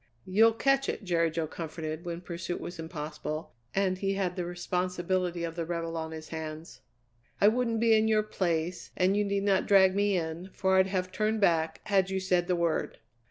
"You'll catch it," Jerry Jo comforted when pursuit was impossible, and he had the responsibility of the rebel on his hands. "I wouldn't be in your place, and you need not drag me in, for I'd have turned back had you said the word."